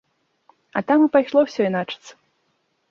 А там і пайшло ўсё іначыцца.